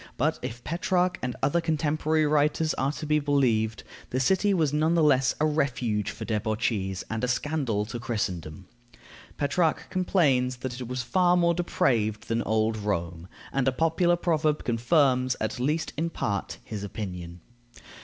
But if Petrarch and other contemporary writers are to be believed, the city was none the less a refuge for debauchees, and a scandal to Christendom. Petrarch complains that it was far more depraved than old Rome, and a popular proverb confirms, at least in part, his opinion.